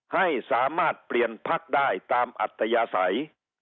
ให้สามารถเปลี่ยนพักได้ตามอัตยาศัย